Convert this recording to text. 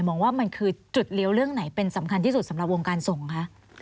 มองว่ามันคือจุดเลี้ยวเรื่องไหนเป็นสำคัญที่สุดสำหรับวงการส่งคะ